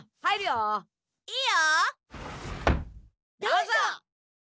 どうぞ。